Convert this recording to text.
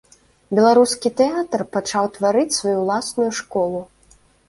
Беларускі тэатр пачаў тварыць сваю ўласную школу.